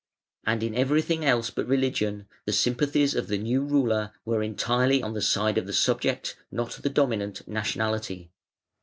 And in everything else but religion the sympathies of the new ruler were entirely on the side of the subject, not the dominant, nationality.